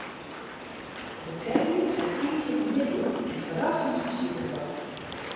De kening hat tiisdeitemiddei in ferrassingsbesite brocht.